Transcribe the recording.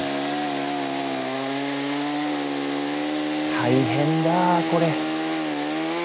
大変だこれ。